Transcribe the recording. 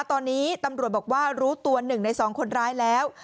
ตอนนี้ตำรวจบอกว่ารู้ตัว๑ใน๒คนร้ายแล้ว